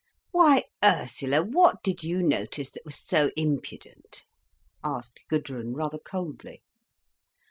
"Why, Ursula, what did you notice that was so impudent?" asked Gudrun rather coldly.